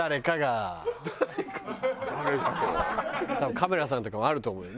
カメラさんとかもあると思うよ。